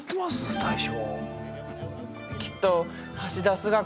大将。